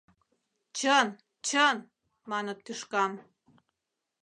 — Чын, чын, — маныт тӱшкан.